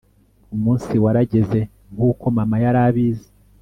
umunsi warageze, nkuko mama yari abizi